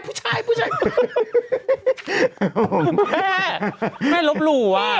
แม่แม่รบหลู่ว่ะ